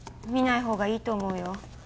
見ないほうがいいと思うよ